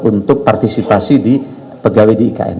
untuk partisipasi di pegawai di ikn